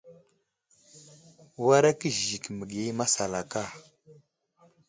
Wara kəziziki məgiya i masalaka.